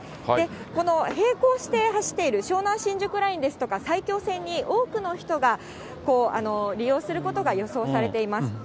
この並行して走っている湘南新宿ラインですとか、埼京線に多くの人が利用することが予想されています。